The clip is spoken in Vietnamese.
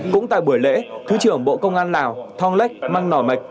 cũng tại buổi lễ thứ trưởng bộ công an lào thong lek mang nòi mạch